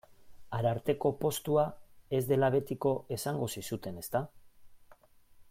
Ararteko postua ez dela betiko esango zizuten, ezta?